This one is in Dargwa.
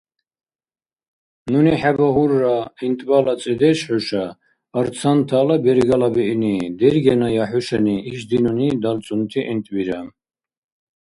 Нуни хӀебагьурра: гӀинтӀбала цӀедеш – хӀуша, арцантала, бергала биъни. Дергеная хӀушани ишди нуни далцӀунти гӀинтӀбира.